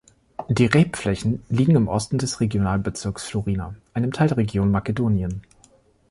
Die Rebflächen liegen im Osten des Regionalbezirks Florina, einem Teil der Region Makedonien.